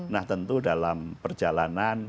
nah tentu dalam perjalanan